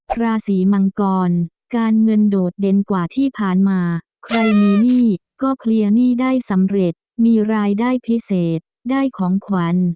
ราศีมังกรการเงินโดดเด่นกว่าที่ผ่านมาใครมีหนี้ก็เคลียร์หนี้ได้สำเร็จมีรายได้พิเศษได้ของขวัญ